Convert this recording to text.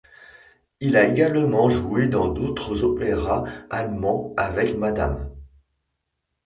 Il a également joué dans d'autres opéras allemands avec Mme.